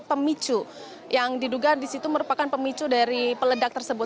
pemicu yang diduga di situ merupakan pemicu dari peledak tersebut